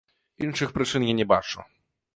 Іншых прычын я не бачу.